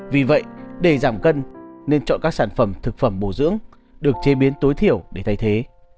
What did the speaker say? vì vậy để giảm cân nên chọn các sản phẩm thực phẩm bổ dưỡng được chế biến tối thiểu để thay thế